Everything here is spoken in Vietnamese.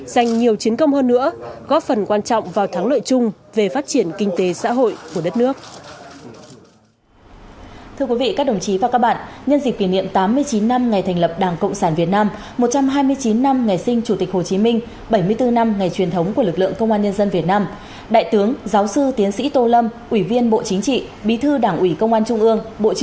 dành nhiều chiến công hơn nữa góp phần quan trọng vào thắng lợi chung về phát triển kinh tế xã hội của đất nước